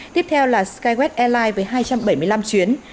tiếp theo là skywest airlines với hai trăm bảy mươi năm chuyến